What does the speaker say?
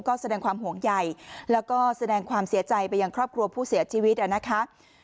ก็แสดงความห่วงใหญ่แล้วก็แสดงความเสียใจไปยังครอบครัวผู้เสียชีวิตนะคะ